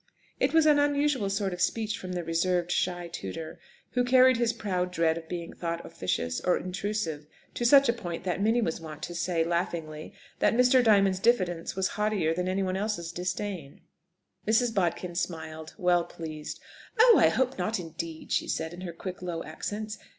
It was an unusual sort of speech from the reserved, shy tutor, who carried his proud dread of being thought officious or intrusive to such a point, that Minnie was wont to say, laughingly, that Mr. Diamond's diffidence was haughtier than anyone else's disdain. Mrs. Bodkin smiled, well pleased. "Oh, I hope not, indeed!" she said in her quick, low accents.